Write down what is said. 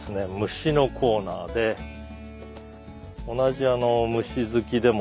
虫のコーナーで同じ虫好きでもですね